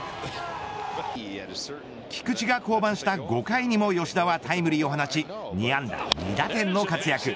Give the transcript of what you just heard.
菊池が降板した５回にも吉田はタイムリーを放ち２安打２打点の活躍。